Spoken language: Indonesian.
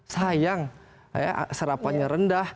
sayang serapannya rendah